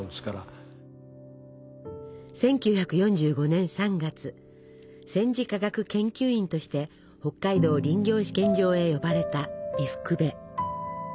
１９４５年３月戦時科学研究員として北海道林業試験場へ呼ばれた伊福部。